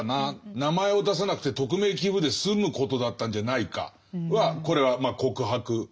名前を出さなくて匿名寄付で済むことだったんじゃないかはこれは告白ですよね。